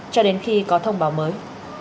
cho đến khi có thông báo mới